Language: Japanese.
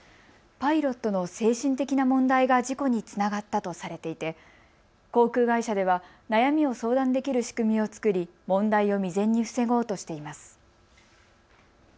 パイロットの精神的な問題が事故につながったとされていて航空会社では悩みを相談できる仕組みを作り、問題を未然に防ごうとしています。